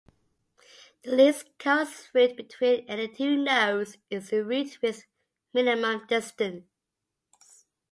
The least cost route between any two nodes is the route with minimum distance.